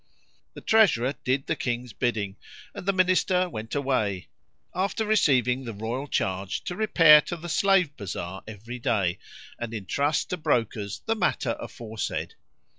The treasurer did the King's bidding; and the Minister went away, after receiving the royal charge to repair to the slave bazar every day, and entrust to brokers the matter aforesaid.